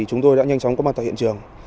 chúng tôi đã nhanh chóng có mặt tại hiện trường